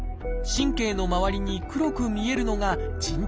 神経の周りに黒く見えるのがじん帯。